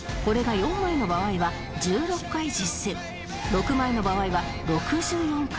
６枚の場合は６４回